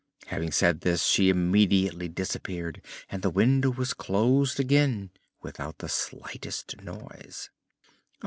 Having said this she immediately disappeared and the window was closed again without the slightest noise.